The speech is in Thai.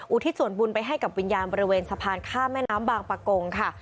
ทิศส่วนบุญไปให้กับวิญญาณบริเวณสะพานข้ามแม่น้ำบางปะโกงค่ะ